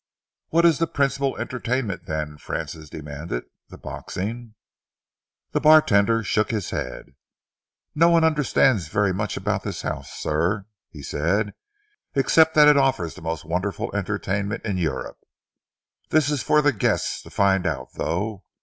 "What is the principal entertainment, then?" Francis demanded. "The boxing?" The bartender shook his head. "No one understands very much about this house, sir," he said, "except that it offers the most wonderful entertainment in Europe. That is for the guests to find out, though.